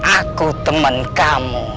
aku temen kamu